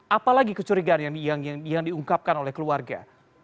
apa lagi kecurigaan yang diungkapkan oleh keluarga